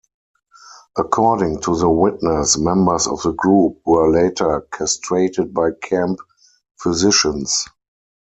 According to the witness, members of the group were later castrated by camp physicians.